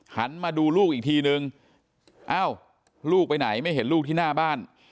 หันมาดูลูกอีกทีนึงเอ้าลูกไปไหนไม่เห็นลูกที่หน้าบ้าน